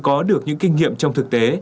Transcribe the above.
để họ có được những kinh nghiệm trong thực tế